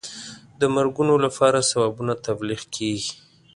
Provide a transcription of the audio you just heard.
د مرګونو لپاره ثوابونه تبلیغ کېږي.